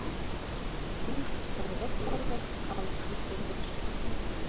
Туш сырвык-сорвык калык шӱшкылтеш.